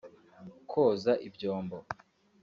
Koza ibyombo